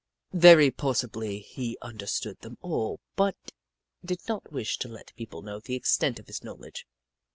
Very possibly he under stood them all, but did not wish to let people know the extent of his knowledge.